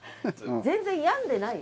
全然病んでない。